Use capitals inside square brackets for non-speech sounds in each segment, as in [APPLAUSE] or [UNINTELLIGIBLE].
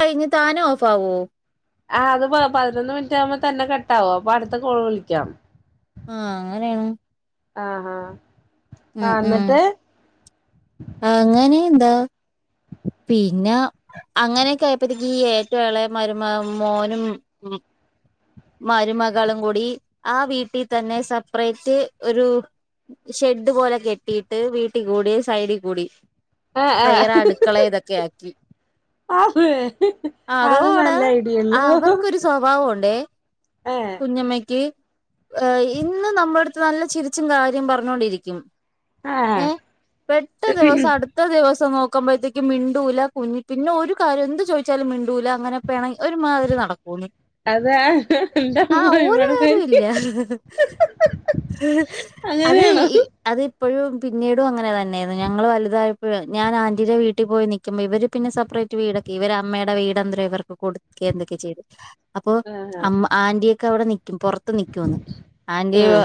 കഴിഞ്ഞ് താനെ ഓഫ് ആവോ ആ അത് പതിനൊന്ന് മിനിറ്റ് ആകുമ്പോ തന്നെ കട്ട ആാവും അപ്പൊ അടുത്ത കോള് വിളിക്കാം ആഹ അങ്ങനെണ് ആഹഹാ ഉം ആ ഉം എന്നിട്ട് അങ്ങനെ എന്താ പിന്നെ അങ്ങനെയൊക്കെ ആയപ്പോത്തേക്കക്ക് ഈ ഏറ്റ മളെ മരുമ മോനും ഉ മരുമകളും കൂടി ആ വീട്ടിൽ തന്നെ സെപ്പറേറ്റ് ഒരു ഷെഡ് പോലെ കെട്ടിട്ട് വീട്ടിൽ കൂടി സൈഡിൽ കൂടി ആഹ് വയറെ അടുക്കള ഇതൊക്കെ ആക്കി ആവെ അത് നല്ല ഐഡിയല്ലോ സ്വഭാവണ്ടേ ഏഹ് കുഞ്ഞമ്മയ്ക്ക് ഇന്ന് നമ്മുടെ അടുത്ത് നല്ല ചിരിച്ചും കാര്യം പറഞ്ഞോണ്ടിരിക്കും ആഹ ട്ട് ദിവസടു ഇത്ര ദിവസം നോക്കുമ്പോഴത്തേക്ക് മിണ്ടൂല കുഞ്ഞ്പിന്നെ ഒരു കാര്യം എന്ത് ചോദിച്ചാലും മിണ്ടൂല അങ്ങനെ പിണങ്ങി ഒരുമാതിരി നടക്കൂ അതെ കാര്യവും ഇല്ല [UNINTELLIGIBLE] അങ്ങനെയണോ അത് ഇപ്പോഴും പിന്നീടും അങ്ങനെ തന്നെയരുന്നു ഞങ്ങൾ വലുതായപ്പോ ഞാൻ ആന്റീന്റെ വീട്ടിൽ പോയി നിൽുമ്പ ഇവര് പിന്നെ സപ്റേറ്റ് വിവീടൊക്കെ ഇവർ അമ്മയുടെടെ വീട്ന്തരം ഇവർക്ക് കൊടുക്കെഎന്തൊക്കെ ചെയ്തു ഉ അപ്പൊ അ മ്മആന്റിയൊക്കെ അവിടെ നിക്കും പുറത്ത് നിക്കുംന്ന് ആന്റിയ ആഹ്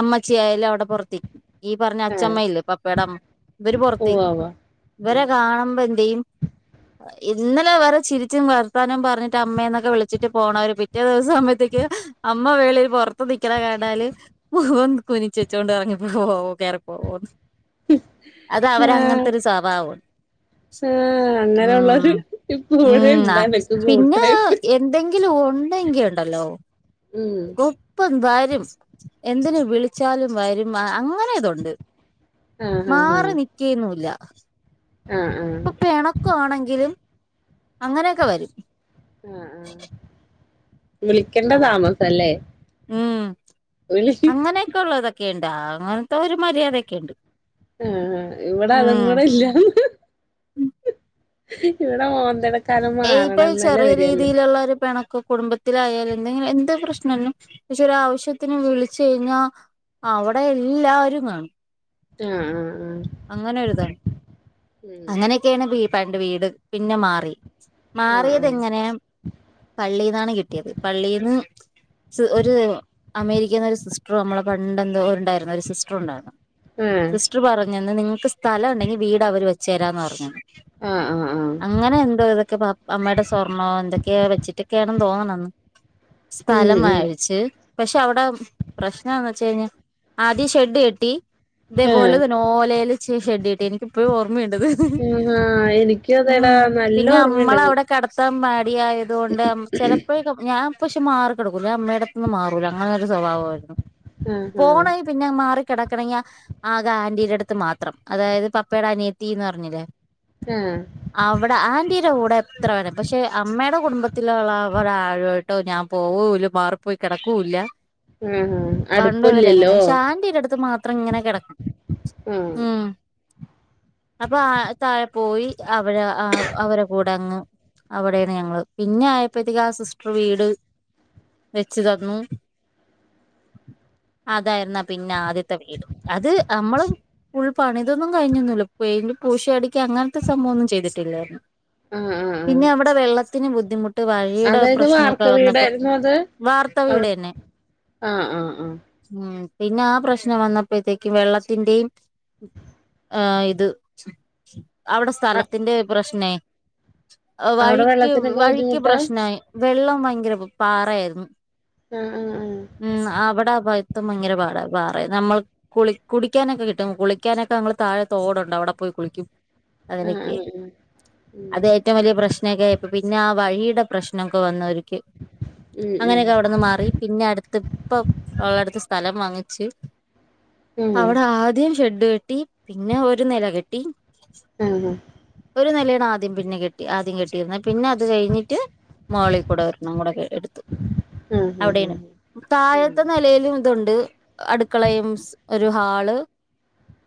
അമ്മ ച്ചിയായാലവിടെ പുറത്തേ.. ഈ പറഞ്ഞ ആഹ് അച്ചമ്മയില്ലേ.. പപ്പേടമ് ഇവര് ഉവ്വ് പുറത്തേക്കും. ഉവ്വ് ഇവരെ കാണുമ്പോ എന്തെയ്യും ഇന്നലെ വറെ ചിരിച്ചും വർത്താനം പറഞ്ഞിട്ട് അമ്മേന്നൊക്കെ വിളിച്ചിട്ട് പോണവര് പിറ്റേ ദിവസം ആകുമ്പഴത്തേക്ക് അമ്മ വെളി പൊറത്ത് നിൽക്കണ കാണാല് മു.. ഹ്.. ഹോം.. കുനിച്ചു വെച്ചോണ്ട് ഇറങ്ങിപ്പോ പോവോ. കയറി പോവോ അത് അവര അങ്ങനത്തെ ഒരു സ്വഭാവോ മ്മ്... അങ്ങനൊള്ളൊരു ഉമ്മ്... ങാ... പിന്നെ.. എന്തെങ്കിലും ഒണ്ടെങ്കിഒണ്ടല്ലോ ഉം... ഒപ്പം വരും.. എന്തിന് വിളിച്ചാലും വരും.. അങ്ങനെതുണ്ട്. ആഹ് മാറിനിക്കേന്നൂല്ല... ങാ... ങാ.. ഹ്. പ്പൊ പെണക്കോണെങ്കിലും അങ്ങനെയൊക്ക വരും. ങാ.. ങാ.. വിളിക്കണ്ട ആ താമസം അല്ലേ... ഉം.. അങ്ങനെയൊക്കെള്ള ഇതൊക്കെണ്ട്. അങ്ങനത്ത ഒരു മര്യാദേക്കെണ്ട്. മ്മ്... ഇവിട അതും കൂടെ ഇല്ലാന്നു മ്.. ഹ്.. ഇവിട [UNINTELLIGIBLE] ഏയ്.. ഇപ്പൊ ചെറിയ രീതിയിലൊള്ള ഒരു പെണക്ക് കുടുംബ ത്തിലായാലും എന്തെങ്കിലു.. എന്ത് പ്രശ്നലും എന്തെങ്കിലും ആവശ്യത്തിന് വിളിച്ച് കഴിഞ്ഞാ അവിട എല്ലാരും.. കാണും. ങാ.. ങാ.. ങാ.. അങ്ങനൊരിതാണ്. അങ്ങനെക്കെയാണ് പണ്ട് വീട്.. പിന്നെ മാറി. ആഹ് ആഹ് മാറിയതെങ്ങനെ.. പള്ളീന്നാണ് കിട്ടിയത്. പള്ളീന്ന് ഒരു.. അമേരിക്കേന്ന് ഒരു സിസ്റ്ററ് നമ്മട പണ്ടെന്തോ ഉണ്ടായിരുന്ന ഒരു സിസ്റ്ററൊണ്ടാരുന്ന്. മ്... റ് പറഞ്ഞന്ന് നിങ്ങൾക്ക് സ്ഥലം ഉണ്ടെങ്കി വീട് അവര് വെച്ച് തരാന്ന് പറഞ്ഞെന്ന്. ങാ... ങാ... ങാ... അങ്ങനെ എന്തോ ഇതൊക്കെ... അമ്മേടെ സ്വർണ്ണോ... എന്തൊക്കെയോ വച്ചിട്ടക്കാന്നു തോന്നണന്നു ഉം സ്ഥലം ഉം മഴച്ച്.. പക്ഷെ അവിട.. പ്രശ്നന്ന് വച്ച് കഴിഞ്ഞാ... ആദ്യം ഷെഡ് കെട്ടി. ഇതേപോലെ ആഹ് തന്നെ ഓലയിൽ ഷെഡ് കെട്ടി. എനിക്ക് ഇപ്പോഴും ഓർമ്മയുണ്ടത്.. ഹ്.. മ്മ്... ങാ... എനിക്കും അതേടാ.. നല്ല പിന്നെ ഓർമ്മയുണ്ടത്. നമ്മളവിടെ കടത്താൻ മടിയായതുകൊണ്ട്.. ചിലപ്പോഴേക്കും.. ഞാൻ പക്ഷെ മാറിക്കെടക്കൂല്ല... ഞാൻ അമ്മേടുത്തൂന്ന് മാറൂല.. അങ്ങന ഒരു സ്വഭാവാരുന്നു. ആഹ് ആഹ് പോണ പിന്ന മാറിക്കിടക്കണങ്കി ആ.. അത് താന്റീടടുത്ത് മാത്രം. അതായത് പപ്പയുടെ അനിയത്തിന്ന് പറഞ്ഞില്ലേ.. ങാ... അവിട ആന്റീട കൂടെ എത്ര വേണേ... പക്ഷെ അമ്മേടെ കുടുംബത്തിലുള്ളവരാരയിട് ട്ടോ ഞാൻ പോവോല്ല.. മാറിപ്പോയി കിടക്കോല്ല. ആഹ് പണ്ടുമുതലേങ്ങനെ അടുപ്പില്ലല്ലോ പക്ഷേ ആന്റീടുത്ത് മാത്രം ങ്ങനെ കിട മ്... അപ്പൊ ആ... താഴെ പോയി.. അവടെ.. ങാ.. അവര കൂടങ്ങ് അവിടെയാണ് ഞങ്ങള്. പിന്നെ ആയപ്പഴത്തേക്ക് ആ സിസ്റ്റർ വീട് വെച്ചു തന്നു. അതായിരുന്നാ പിന്നെ ആദ്യത്തെ വീട്. അത്.. നമ്മള് ഫുൾ പണിതൊന്നും കഴിഞ്ഞൊന്നുല്ല... പെയിന്റ്, പൂശിയടിക്ക.. അങ്ങനത്തെ സംഭവൊന്നും ചെയ്തിട്ടില്ലായിരുന്നു. ങാ.. ങാ.. പിന്നെ അവിടെ വെള്ളത്തിന് ബുദ്ധിമു ട്ട് വഴീട അതായത് പ്രശ്നൊക്ക വാർക്ക വന്നപ്പൊ.. വീടായിരുന്നോ അത് വാർത്ത ആഹ് വീടന്നെ. ആഹ് ആഹ് മ്മ്... പിന്നാപ്രശ്നം വന്നപ്പോഴത്തേക്ക് വെള്ള ത്തിന്റേം.. ങാ... ഇത്. അവിട സ്ഥലത്തിന്റെ പ്രശ് പിന്നെ അവിടെ വഴിക്ക് വെള്ളത്തിനൊക്കെ വഴിക്ക് ബുദ്ധിമുട്ടാ പ്രശ്നായ് വെള്ളം ഭയങ്കര പാറായ്ര്ന്നു ആഹ് ആഹ് ആഹ് ഉം അവ്ടെ ഭയ്ത്തം ഭയങ്കര പാട പാറെ നമ്മള് കുളി കുടിക്കാനൊക്കെ കിട്ടും കുളിക്കാനൊക്കെ നമ്മള് താഴെ തോടാെണ്ട് അവ്ടെ പോയി കുളിക്കും ആഹ് അങ്ങനെക്കെ ആഹ് ആഹ് ഉം അതെ റ്റവും വല്യ പ്രശ്നെക്കെയായപ്പോ പിന്നെ ആഹ് വഴിയ്ടെ പ്രശ്നൊക്കെ വന്ന് ഒര് ക്കെ ഉം ഉം അങ്ങനെയൊക്കെ അവ്ട്ന്ന് മാറി പിന്നെ അട്ത്ത് പ്പം ഓഹ് അട്ത്ത് സ്ഥലം വാങ്ങിച്ച് ഉം അവടെ ആദ്യം ഷെഡ്ഡ് കെട്ടി പിന്നെ ഒര് നെല കെട്ടി ആഹ് ആഹ് ഒരു നെലെയാണ് ആദ്യം പിന്നെ കെട്ടി ആദ്യം കെട്ടിയിര്ന്നെ പിന്നെ അത് കഴിഞ്ഞിട്ട് മോളി കൂടെ ഒരെണ്ണം കൂടെ എട് ത്തു ആഹ് ആഹ് അവിടേണ് ഉം താഴത്തെ നെലയിലും തുണ്ട് അട്ക്കളയും സ് ഒരു ഹാള്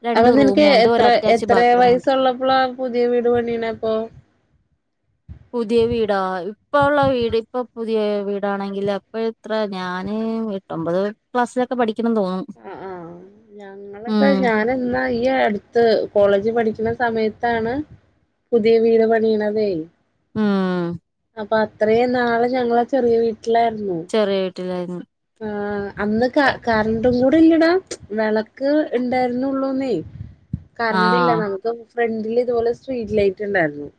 രണ്ട് അപ്പൊ നിൻക്ക് റൂമുണ്ട് ഒരു എത്ര അറ്റാച്ച് എത്രേ ബാത്റൂമുണ്ട് വയസ്സുള്ളപ്പളാ പുതിയ വീട് പണിയ്ണെ അപ്പോ [INAUDIBLE] പുതിയ വീടാേ ഇപ്പ ഉള്ള വീട് ഇപ്പൊ പുതിയ വീടാണെങ്കിൽ അപ്പ എത്ര ഞാന് ഒമ്പത് ക്ലാസ്സിലൊക്കെ പഠിക്ക്ണെന്ന് തോന്നുന്ന് ആം ഞങ്ങളൊക്കെ ഞാന് ന്നായ് ഈ അട്ത്ത് കോളേജ് പഠിക്ക്ണ സമയത്താണ് പുതിയ വീട് പണിയ്ണതേ ആഹ് അപ്പൊ അത്രേയും നാള് ഞങ്ങള് ചെറിയ വീട്ടിലായ്ര്ന്നു ചെറിയ വീട്ടിലായ്ര്ന്ന് ആഹ് അന്ന് ക കറണ്ടും കൂടെ ഇല്ലെടാ വെളക്ക് ണ്ടായ്ര്ന്നാെള്ളൂന്നേ കറണ്ട്ല്ലാ ആഹ് നമുക്ക് ഫ്രണ്ടില് ഇത്പോലെ സ്ട്രീറ്റ് ലൈറ്റ്ണ്ടായ്ര്ന്നു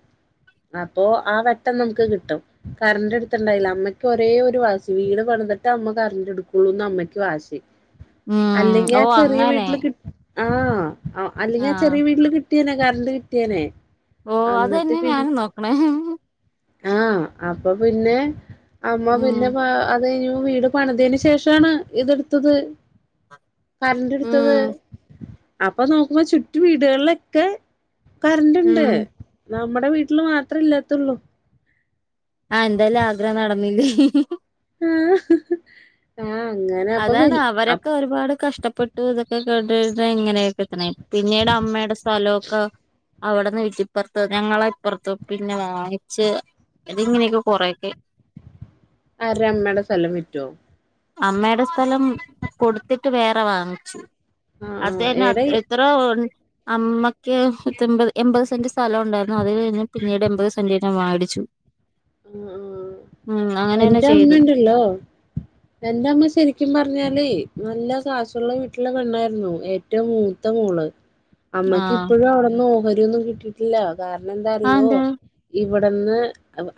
അപ്പൊ ആ വെട്ടം നമ്ക്ക് കിട്ടും കറെണ്ടെട്ത്ത്ണ്ടായില്ല അമ്മയ്ക്ക് ഒരേ ഒരു വാസി വീട് പണിത്ട്ട് അമ്മ കരെണ്ടെട്ക്കുള്ളൂന്ന് അമ്മയ്ക്ക് വാശി ഉം അല്ലെങ്കി ഓ ആ ചെറിയ അങ്ങനെ വീട്ട്ല് കി ആഹ് അ അല്ലെങ്കി ആ ആഹ് ചെറിയ വീട്ടില് കിട്ടിയേനെ കറണ്ട് കിട്ടിയേനെ ഓ അന്നിട്ട് അതന്നെ പി ഞാനും നോക്കണേ ആഹ് അപ്പം പിന്നെ അമ്മ ഉം പിന്നെ പ അത് കയ്ഞ്ഞ് വീട് പണ്തേന് ശേഷാണ് ഇതെട്ത്തത് കരണ്ട്ട്ത്തത് ഉം അപ്പൊ നോക്കുമ്പോ ചുറ്റും വീട്കൾലെക്കെ കര്ണ്ട്ണ്ട് ഉം നമ്മടെ വീട്ട്ല് മാത്രേ ഇല്ലാത്തൊള്ളു ആഹ് എന്തായാലും ആഗ്രഹം നടന്നില്ലേ ആഹ് ആഹ് അങ്ങെൻ അതാണ് അവരൊക്കെ ഒരുപാട് കഷ്ടപ്പെട്ട് തൊക്കെ കേ ഇങ്ങനെ കിട്ടണേ പിന്നീട് അമ്മേടെ സ്ഥലൊക്കാ അവിടെന്ന് വീട്ടിപ്പാെർത്ത് ഞങ്ങളെ ഇപ്പാെർത്ത് പിന്നെ വാങ്ങ്ച്ച് അതി ഇങ്ങനെയൊക്കെ കൊറേയൊക്കെ ആര്ടെ അമ്മേടെ സ്ഥലം വിറ്റോ അമ്മേടെ സ്ഥലം കൊട്ത്തിട്ട് വേറെ വാങ്ങിച്ച് ആഹ് ആഹ് എടെ അതേന്നെ ത്രാ വേഡ് അമ്മക്ക് പത്തെൺപത് എൺപത് സെന്റ് സ്ഥലം ഉണ്ടായ്ര്ന്നു അതിൽ നിന്ന് പിന്നീട് എമ്പത് സെന്റെന്നെ വാടിച്ചു ആഹ് ആഹ് അങ്ങനെ തന്നെ എന്റെ ചെയ്തു അമ്മെണ്ടല്ലോ എന്റെ അമ്മ ശെരിക്കും പർഞ്ഞല് നല്ല കാശുള്ള വീട്ട്ലെ പെണ്ണായ്ര്ന്നു ഏറ്റവും മൂത്ത മോള് അമ്മക്ക് ആഹ് ഇപ്പഴും അവ്ടെന്ന് ഓഹരി ഒന്നും കിട്ടിയിട്ടില്ല കാരണം എന്താ അറിയോ ഇവട്ന്ന്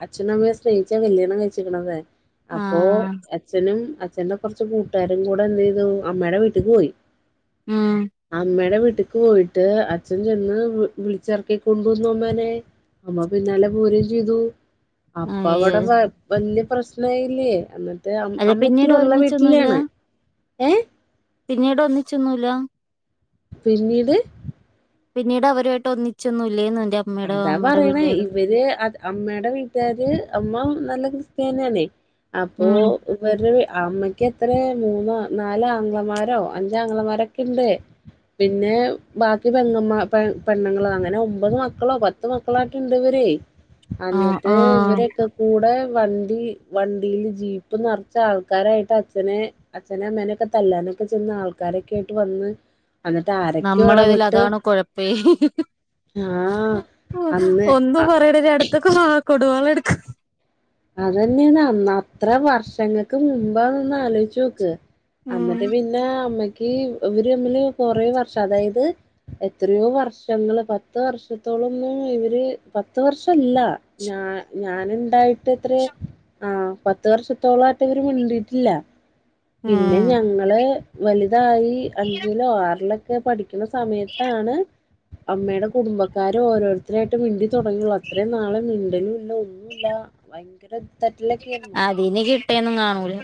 അച്ഛനും അമ്മയും സ്നേഹിച്ചാ കല്യാണം കഴ്ച്ച്ക്ക്ണതെ അപ്പോ ആഹ് എച്ഛനും അ [UNINTELLIGIBLE] കൊർച്ച് കൂട്ടുകാരും കൂടെ എന്തെയ്തു അമ്മേടെ വീട്ടിക്ക് പോയി ഉം അമ്മേടെ വീട്ട് പോയിട്ട് അച്ഛൻ ചെന്ന് വിൾ വിൾച്ചിറക്കി കൊണ്ടുവന്നോവമ്മാരെ അമ്മ പിന്നാലെ പോരേം ചെയ്തു അപ്പ അയ്യോ അവിടെ വ വലിയ പ്രശ്നയില്ലേ അത് അല്ല അമ്മത്തില് പിന്നീട് ഉള്ള ഒരുമിച്ചൊന്നുല്ല വീട്ടിലാണ് ഏഹ് പിന്നീട് ഒന്നിച്ചൊന്നൂല പിന്നീട് പിന്നീട് അവരുവായിട്ട് ഒന്നിച്ചൊന്നു ഇല്ലേന്ന് അതാ പറയണേ ഇവര് അത് അമ്മേടെ വീട്ടുകാര് അമ്മ നല്ല ക്രിസ്ത്യാന്യാണേ അപ്പോ ഉം ഇവര് അമ്മയ്ക്ക് എത്ര മൂന്നോ നാല ആങ്ങളമാരോ അഞ്ച ആങ്ങളമാരൊക്കെ ഇണ്ട് പിന്നെ ബാക്കി പെങ്ങമ്മാ പെൺ പെണ്ണങ്ങള അങ്ങനെ ഒമ്പത് മക്കളോ പത്ത് മക്കളായിട്ട ഇണ്ട് ഇവരെ ആഹ് അന്നിട്ട് ആഹ് ഇവരൊക്കെ കൂടെ വണ്ടി വണ്ടിയില് ജീപ്പ് നെർച്ച് ആൾക്കാരായിട്ട് അച്ഛനെ അച്ഛനേ അമ്മേനൊക്കെ തല്ലാനൊക്കെ ചെന്ന ആൾക്കാരൊക്കെ ആയിട്ട് വന്ന് എന്നിട്ട് ആരക്കോ നമ്മളതിൽ ഇടപെട്ട് അതാണ് കൊഴപ്പേ ആഹ് അന്ന് ഒന്നും പറയേണടു ഇതൊക്കെ വാ കൊടുവാള് എടുക്ക അതെന്നെണന്ന് അത്ര വർഷങ്ങൾക്ക് മുമ്പാ ഒന്ന് ആലോചിച്ചു നോക്ക് ഉം അന്നിട്ട് പിന്നെ അമ്മക്ക് ഇവര് തമ്മില് കൊറേ വർഷം അതായത് എത്രയോ വർഷങ്ങള് പത്ത് വർഷത്തോളംന്നും ഇവര് പത്ത് വർഷല്ല ഞാ ഞാനുണ്ടായിട്ട് ട്ടെത്ര ആഹ് പത്ത് വർഷത്തോളം ആയിട്ട് ഇവര് മിണ്ടിട്ടില്ല ഉം പിന്നെ ഞങ്ങള് വലുതായി അഞ്ചിലോ ആറിലോ ക്കെ പഠിക്ക്ണ സമയത്താണ് അമ്മയുടെ കുടുംബക്കാരെ ഓരോരുത്തരായിട്ട് മിണ്ടി തുടങ്ങിയുള്ളൂ അത്രേയും നാളെ മിണ്ടലും ഇല്ല ഒന്ന ഭയങ്കര തെറ്റിലൊക്കെ ആരുന്നു ഇനി കിട്ടേന്നും കാണൂല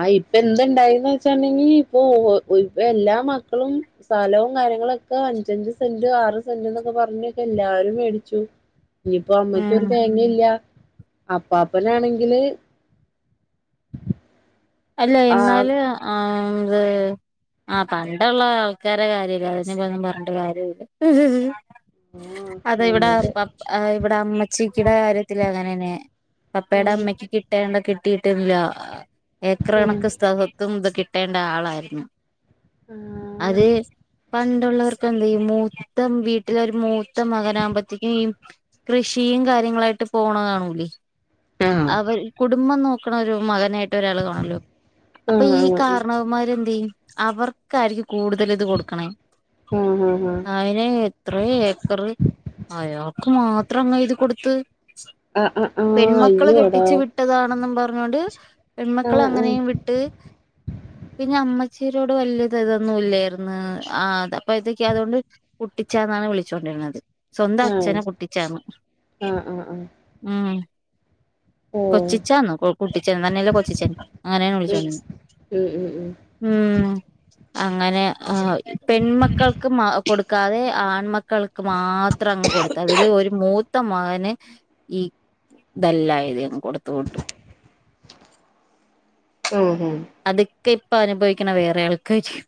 ആഹ് ഇപ്പൊ എന്ത്ണ്ടായിന്ന് വെച്ചുണ്ടെങ്കി ഇപ്പൊ ഇപ്പ എല്ലാ മക്കളും സ്ഥലവും കാര്യങ്ങളൊക്കെ അഞ്ചഞ്ച് സെന്റ് ആറ് സെന്റ് എന്നൊക്കെ പറഞ്ഞക്കെ എല്ലാരും മേടിച്ചു ഇനിയിപ്പോ അമ്മക്ക് ഉം ഒരു തേങ്ങ ഇല്ല അപ്പാപ്പനാണെങ്കില് അല്ല ആഹ് എന്നാല് ആഹ്ത് ആഹ് പണ്ടുള്ള ആൾക്കാരെ കാര്യല്ല അതപ്പോ ഒന്നും പറഞ്ഞട്ട് കാര്യല്ല അതെ ആഹ് ഇവിടെ എന്നിട്ട് ഇവിടെ അമ്മച്ചിക്കിടെ കാര്യത്തിലും അങ്ങനെന്നെ പപ്പയുടെ ഏഹ് അമ്മയ്ക്ക് കിട്ടേണ്ട കിട്ടിയിട്ടില്ല ഏക്കർ ആഹ് കണക്കിന് സ് ദും ഇത് കിട്ടേണ്ട ആളായിരുന്നു ആഹ് അതെ പണ്ടുള്ളവർക്ക് എന്താ ഈ മൂത്തം വീട്ടില ഒരു മൂത്ത മകനാകുമ്പോത്തേക്കും ഈ കൃഷിയും കാര്യങ്ങളായിട്ട് പോണകാണൂലേ അവർ കുടുംബം നോക്കണ ഒരു മകനായിട്ട് ഒരാൾ കാണല്ലോ അപ്പൊ ഈ ആഹ് ആഹ് കാരണ മ്മാര് എന്ത് ചെയ്യും അവർക്കായിരിക്കും കൂടുതൽ ഇത് കൊടുക്കണേ ആഹ് ഉം ഉം അയ്ന് എത്ര ഏക്കറ് അയാൾക്ക് മാത്ര അങ്ങ് എയ്തി കൊടുത്ത് ആഹ് ആഹ് ആഹ് ആഹ് ആഹ് പെൺമക്കള് അയ്യോടാ കെട്ടിച്ചു വിട്ടതാണെന്നും പറഞ്ഞോണ്ട് പെൺമക്കൾ ആഹ് ആഹ് അങ്ങനെയും വി ട്ട് പിന്നെ അമ്മച്ചീരോട് വലിയത് ഇതൊന്നും ഇല്ലായിന്ന് ആഹ് അഹ് അപ്പൊ ഇതൊക്കെ അതുകൊണ്ട് കുട്ടിച്ചാന്നാണ് വിളിച്ചോണ്ടിരുന്നത് സ്വന്തം ആഹ് അച്ഛനെ കുട്ടിച്ചാന്ന് ആഹ് ആഹ് ആഹ് ഉം ഓഹ് കൊച്ചിച്ചാന്നോ കൂട്ടിച്ചൻ തന്നല്ലേ കൊ കൊച്ചച്ചൻ അങ്ങനെയ വിളിച്ചോണ്ടിന്ന് ഉം ഉം ഉം ഉം ഉം അങ്ങനെ അ പെൺമക്കൾക്ക് കൊടുക്കാതെ ആൺമക്കൾക്ക് മാത്രം അങ് കൊടുക്ക അതില് ഒരു മൂത്ത മകന് ഈ ദല്ലായധികം കൊടുത്ത വിട്ടു ഉം ഹം അതൊക്കെ ഇപ്പൊ അനുഭവിക്കണ വേറെ ആൾക്കായിരിക്കും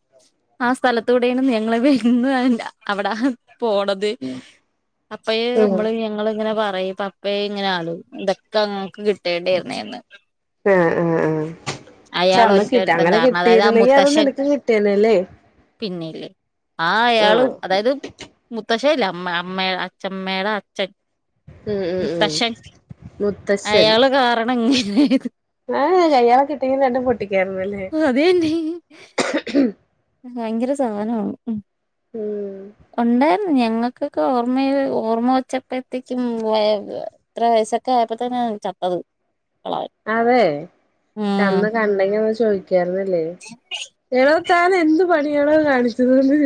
ആ സ്ഥലത്തൂടെയെന്നും ഞങ്ങളെ വടുന്നുല്ല അവിടെ പോണ അപ്പയ ഉം നമ്മള് ഞങ്ങ ഇങ്ങനെ പറയും അപ്പ ഇങ്ങനെ ആാലും ഇതൊക്കെ അങ്ങക്ക് കിട്ടേണ്ടിയിരുന്നന്ന് ആഹ് ആ ആ പ അയാൾ അന്ന് കിട്ട ഒറ്റൊരുത്തൻ അങ്ങനെ കാരണം അതായത് കിട്ടിരുന്നെങ്കി അത് നിനക്ക് കിട്ടിയന്നല്ലേ പിന്നെല്ലേ ആ അയാളും ഉം അതായത് മുത്തശയില്ല അമ്മ അമ്മ അച്ഛമ്മയുടെ അച്ഛൻ ഉം ഉം പക്ഷെ മുത്തശ്ശൻ അയാള് കാരണം ഇങ്ങനെയത് ആ കയ്യാളെ കിട്ടിങ്കി രണ്ടു പൊട്ടിക്കായിരുന്നുല്ലേ അതന്നെ ഭയങ്കര സാനമാണ് ഉം മം ഉണ്ടായിരുന്നു ഞങ്ങക്കൊക്കെ ഓർമ്മയിൽ ഓർമ്മ വെച്ചത്തപ്പേയ്ക്കും വ ഇത്ര വയസ്സൊക്കെ ആയപ്പോ തന്നെയ ചത്തത് കളവൻ അതെ ക്ഷെ അന്ന് കണ്ടെങ്കി ഒന്ന് ചോദിക്കാം ക്കാരുന്നിലെ എടോ താൻ എന്ത് പണിയാണോ കാണിച്ചതന്ന്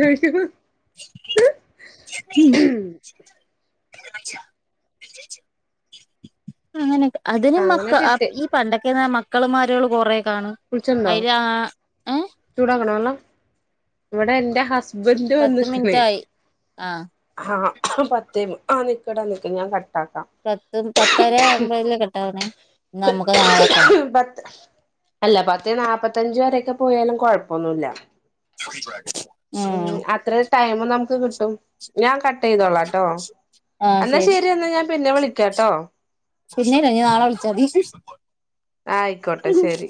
[INAUDIBLE] ഉം [INAUDIBLE] [INAUDIBLE] അങ്ങനെക്കെ അതിനും മക്ക അങ്ങനെ അ് കിട്ടി ഈ പണ്ടൊക്കന്ന് മക്കളും മാരോള് കൊറേ കാണ് കുളിച്ചിട്ണ്ടോ ചൂടാക്കണോ വെള്ളം ഇവിടെ എൻ്റെ ഹസ് ബൻ്റ് പത്ത് വന്ന്നിക്കണേ മിനിറ്റായി ആ അ്ഹ അപ്പം പത്തേന്ന് ആ നിക്കടാ നിക്ക് ഞാൻ കട്ടാക്കാം പത്തും പത്തര ആവുമ്പോലല്ലേ കട്ടാകണേ നമ്മുക്ക് നാളെക്കാം പത്ത് അല്ല പത്ത് നാപ്പത്തഞ്ച് വരെക്കെ പോയാലും കുഴപ്പമൊന്നുമില്ല [UNINTELLIGIBLE] ഉം അത്ര ടൈമ് നമുക്ക് കിട്ടും ഞാൻ കട്ട് ചെയ്തോളാം ട്ടോ എന്നാ ശരി എന്നാ ഞാൻ പിന്നെ വിളിക്കാം ട്ടോ പിന്നെയല്ലാ ഇനി നാളെ വിളിച്ചാതി ആയിക്കോട്ടെ ശരി